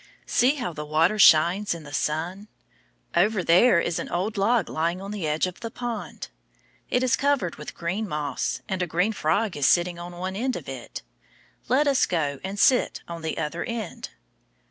See how the water shines in the sun. Over there is an old log lying on the edge of the pond. It is covered with green moss, and a green frog is sitting on one end of it. Let us go and sit on the other end.